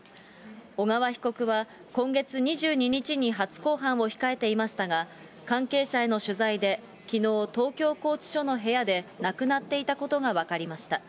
小川被告は今月２２日に初公判を控えていましたが、関係者への取材できのう、東京拘置所の部屋で亡くなっていたことが分かりました。